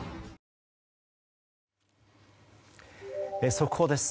速報です。